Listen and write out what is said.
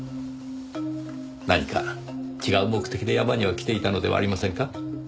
何か違う目的で山には来ていたのではありませんか？